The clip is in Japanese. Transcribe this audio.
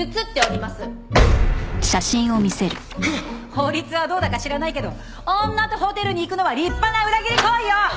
法律はどうだか知らないけど女とホテルに行くのは立派な裏切り行為よ！